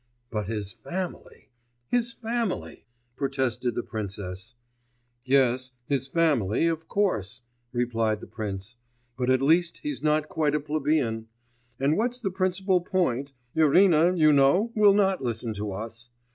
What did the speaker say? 'But his family, his family!' ... protested the princess. 'Yes, his family, of course,' replied the prince; but at least he's not quite a plebeian; and, what's the principal point, Irina, you know, will not listen to us.